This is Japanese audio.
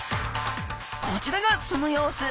こちらがその様子。